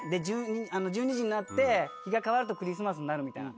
１２時になって日が変わるとクリスマスになるみたいな。